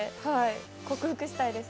克服したいです。